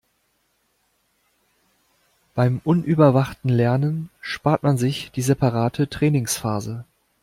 Beim unüberwachten Lernen spart man sich die separate Trainingsphase.